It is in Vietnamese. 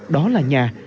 đó là nhà